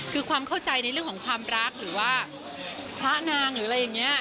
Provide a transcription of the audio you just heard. คือความเข้าใจในเรื่องของความรักหรือว่าพระนางหรืออะไรอย่างนี้